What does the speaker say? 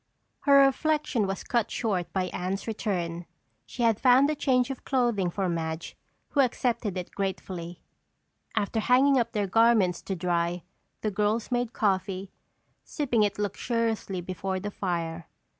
Her reflection was cut short by Anne's return. She had found a change of clothing for Madge who accepted it gratefully. After hanging up their garments to dry, the girls made coffee, sipping it luxuriously before the fire.